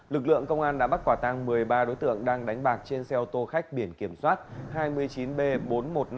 lực lượng công an đã bắt quả tăng một mươi ba đối tượng đang đánh bạc trên xe ô tô khách biển kiểm soát hai mươi chín b bốn mươi một nghìn năm trăm bảy mươi bảy